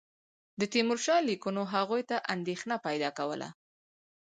د تیمورشاه لیکونو هغوی ته اندېښنه پیدا کوله.